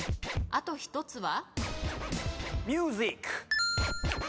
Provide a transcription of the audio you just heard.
あと１つは？